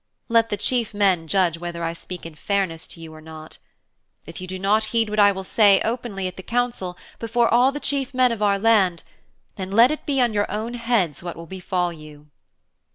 Let the chief men judge whether I speak in fairness to you or not. If you do not heed what I will say openly at the council, before all the chief men of our land, then let it be on your own heads what will befall you.'